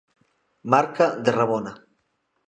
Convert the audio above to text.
Marca de rabona.